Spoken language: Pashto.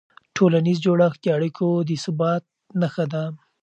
ټولنیز جوړښت د اړیکو د ثبات نښه ده.